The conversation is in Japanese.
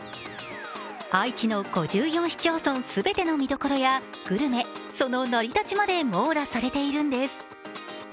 愛知の５４市町村全ての見どころやグルメ、その成り立ちまで網羅されているんです。